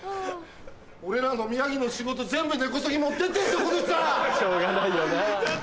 俺らの宮城の仕事全部根こそぎ持ってってんすよこいつら！しょうがないよな。